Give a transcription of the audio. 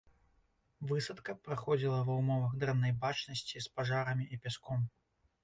Высадка праходзіла ва ўмовах дрэннай бачнасці з пажарамі і пяском.